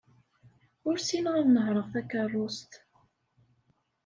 Ur ssineɣ ad nehṛeɣ takeṛṛust.